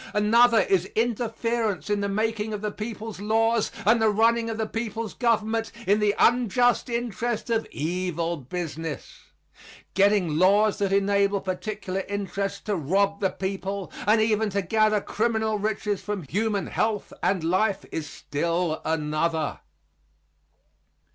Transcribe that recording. Another is interference in the making of the people's laws and the running of the people's government in the unjust interest of evil business. Getting laws that enable particular interests to rob the people, and even to gather criminal riches from human health and life is still another.